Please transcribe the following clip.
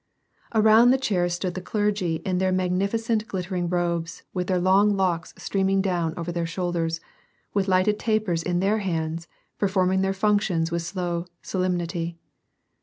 Around the chair stood the clergy in their magnificent glit tering robes, with their long locks streaming down over their shoulders, with lighted tapers in their hands, performing their functions with slow solemnity.